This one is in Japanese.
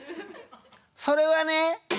それはね